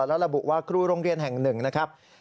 แล้วระบุว่าครูโรงเรียนแห่งหนึ่งนะครับ